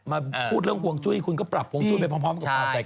มาพูดเรื่องภวงจุ้ยคุณก็ปรับภวงจุ้ยไปพร้อมกับใครที่ข่าวด้วยละ